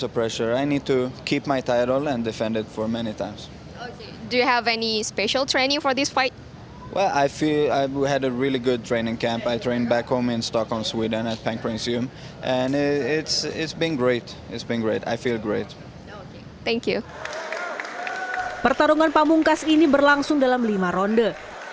pertarungan pampungkas ini berlangsung dalam lima ronde